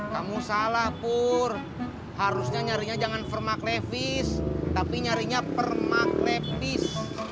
kamu salah pur harusnya nyarinya jangan fermaklevis tapi nyarinya permaklevis